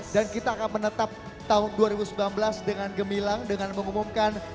dan kita akan menetap tahun dua ribu sembilan belas dengan gemilang dengan mengumumkan